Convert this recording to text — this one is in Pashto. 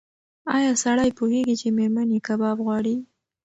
ایا سړی پوهېږي چې مېرمن یې کباب غواړي؟